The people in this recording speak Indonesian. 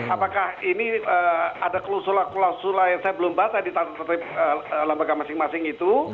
apakah ini ada klausula klausula yang saya belum bahas tadi tentang lembaga masing masing itu